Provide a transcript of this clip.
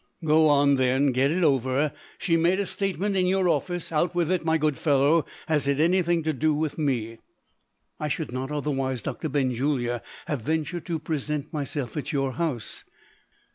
"Go on, then and get it over. She made a statement in your office. Out with it, my good fellow. Has it anything to do with me?" "I should not otherwise, Doctor Benjulia, have ventured to present myself at your house."